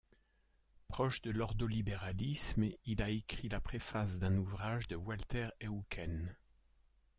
Proche de l'ordolibéralisme, il a écrit la préface d'un ouvrage de Walter Eucken.